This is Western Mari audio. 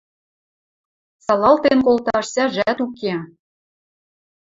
Салалтен колташ сӓжӓт уке.